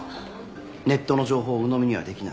ネットの情報をうのみにはできない。